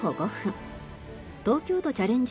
東京都チャレンジ